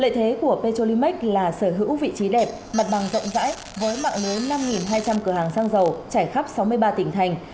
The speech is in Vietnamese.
lợi thế của petrolimax là sở hữu vị trí đẹp mặt bằng rộng rãi với mạng lưới năm hai trăm linh cửa hàng xăng dầu trải khắp sáu mươi ba tỉnh thành